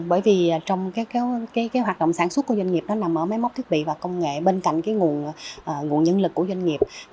bởi vì hoạt động sản xuất của doanh nghiệp nằm ở máy móc thiết bị và công nghệ bên cạnh nguồn nhân lực của doanh nghiệp